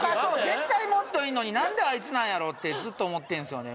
絶対もっといるのになんであいつなんやろってずっと思ってんすよね